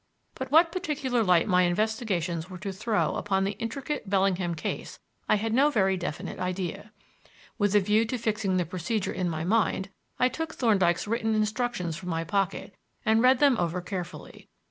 But what particular light my investigations were to throw upon the intricate Bellingham case I had no very definite idea. With a view to fixing the procedure in my mind, I took Thorndyke's written instructions from my pocket and read them over carefully.